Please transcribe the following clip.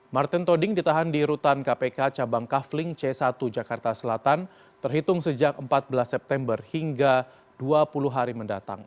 martin toding ditahan di rutan kpk cabang kafling c satu jakarta selatan terhitung sejak empat belas september hingga dua puluh hari mendatang